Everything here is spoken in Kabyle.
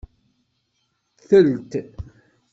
Telt.